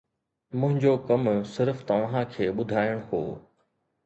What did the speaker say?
منهنجو ڪم صرف توهان کي ٻڌائڻ هو